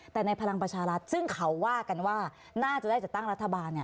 แต่ในพลังประชารัฐซึ่งเขาว่ากันว่าน่าจะได้จัดตั้งรัฐบาล